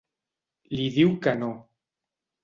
Li diu que no.